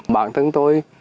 bản thân tôi